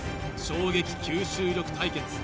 衝撃吸収力対決